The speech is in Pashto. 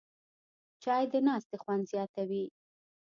چای د ناستې خوند زیاتوي